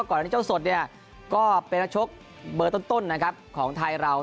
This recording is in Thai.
ก่อนที่เจ้าสดเนี่ยก็เป็นนักชกเบอร์ต้นนะครับของไทยเรา